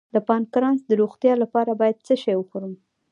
د پانکراس د روغتیا لپاره باید څه شی وخورم؟